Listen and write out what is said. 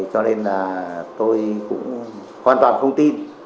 cho nên là tôi cũng hoàn toàn không tin